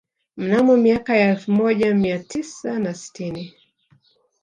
Mnamo miaka ya elfu moja mia tisa na sitini